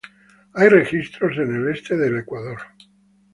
Hay registros en el este de Ecuador.